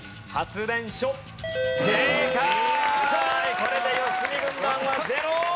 これで良純軍団はゼロ！